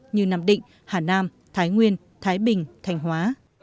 như nam định hà nam thái nguyên thái bình thành hóa